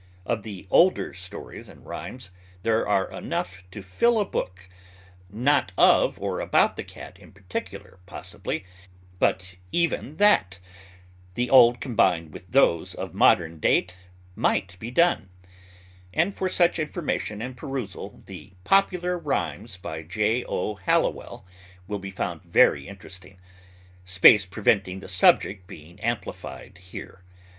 Of the older stories and rhymes there are enough to fill a book; not of or about the cat in particular, possibly; but even that the old combined with those of modern date might be done; and for such information and perusal the "Popular Rhymes," by J. O. Halliwell, will be found very interesting, space preventing the subject being amplified here.